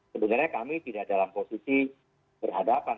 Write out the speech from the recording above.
sebenarnya kami tidak dalam posisi berhadapan